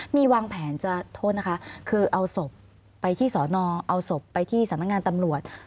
มีวางแผนจะโทษนะคะคือเอาศพไปที่สอนอเอาศพไปที่สำนักงานตำรวจ